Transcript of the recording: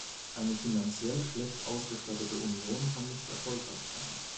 Eine finanziell schlecht ausgestattete Union kann nicht erfolgreich sein.